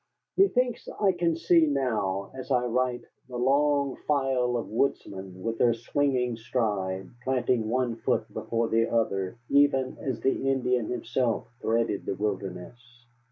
Methinks I can see now, as I write, the long file of woodsmen with their swinging stride, planting one foot before the other, even as the Indian himself threaded the wilderness.